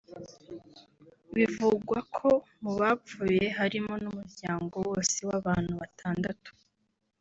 Bivugwa ko mu bapfuye harimo n’umuryango wose w’abantu batandatu